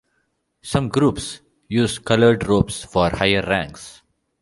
Some groups use colored robes for higher ranks.